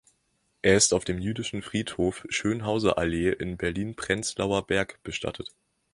Er ist auf dem Jüdischen Friedhof Schönhauser Allee in Berlin-Prenzlauer Berg bestattet.